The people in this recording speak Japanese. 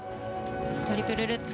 トリプルルッツ。